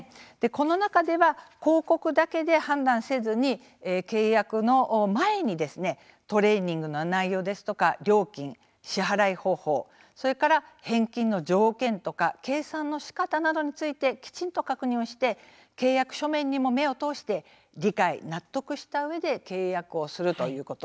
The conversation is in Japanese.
この中では広告だけで判断せずに契約の前にトレーニングの内容ですとか料金支払い方法、それから返金の条件とか計算のしかたなどについてきちんと確認をして契約書面にも目を通して理解、納得したうえで契約をするということ。